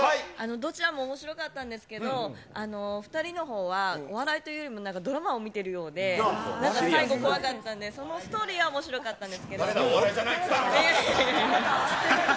どちらもおもしろかったんですけど、２人のほうは、お笑いというよりも、なんかドラマを見てるようで、最後、怖かったんで、そのストーリーはおもしろかったんですけど。